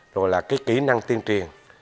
rồi là cái kỹ năng tiên tri